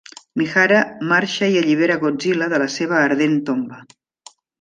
Mihara marxa i allibera Godzilla de la seva ardent tomba.